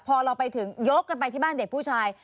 พอเราไปถึงยกกันไปที่บ้านเด็กผู้ชาย